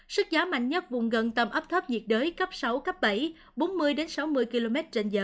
sức giá mạnh nhất vùng gần tầm áp thấp nhiệt đới cấp sáu cấp bảy bốn mươi sáu mươi km